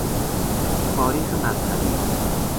تاریخ مذهبی